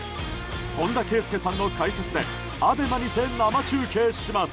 本田圭佑さんの解説でＡＢＥＭＡにて生中継します。